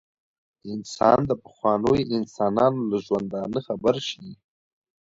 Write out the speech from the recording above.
انسان د پخوانیو انسانانو له ژوندانه خبر شي.